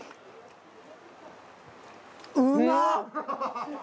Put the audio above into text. うまっ！